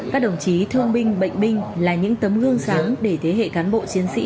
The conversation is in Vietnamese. các đồng chí thương binh bệnh binh là những tấm gương sáng để thế hệ cán bộ chiến sĩ